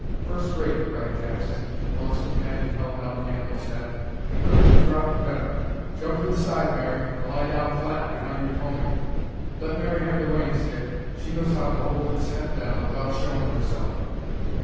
"First rate!" cried Jackson, while his companion held down the animal's head. "It couldn't have dropped better. Jump inside, Mary, an' lie down flat behind your pony. Let Mary have the reins, Dick. She knows how to hold its head down without showin' herself."